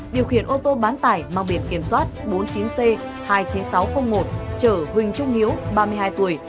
điều khiển ô tô bán tải mang biển kiểm soát bốn mươi chín c hai mươi chín nghìn sáu trăm linh một chở huỳnh trung hiếu ba mươi hai tuổi